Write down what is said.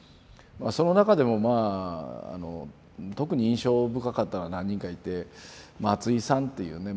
その中でもまあ特に印象深かったのが何人かいて松井さんっていうね